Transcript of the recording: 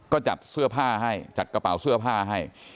ก็จัดเสื้อผ้าให้จัดกระเป๋าเสื้อผ้าให้